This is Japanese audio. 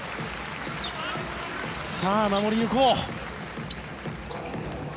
さあ、守り抜こう！